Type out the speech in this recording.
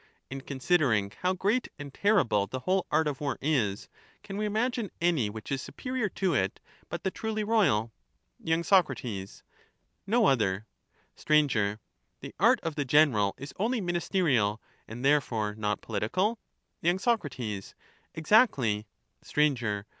And, considering how great and terrible the whole art of war is, can we imagine any which is superior to it but the truly royal ? y. Sac. No other. Sir. The art of the general is only ministerial, and there fore not political ? y. Sac. Exactly. Sir.